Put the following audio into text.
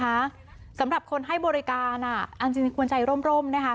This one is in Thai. ค่ะสำหรับคนให้บริการอ่ะอันจริงจริงควรใจร่มนี่ค่ะ